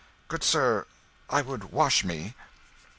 "Good sir, I would wash me."